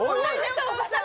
お母さん。